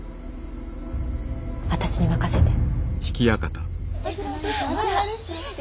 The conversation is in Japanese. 私に任せて。